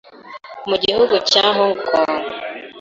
mu gihugu cya Hong Kongo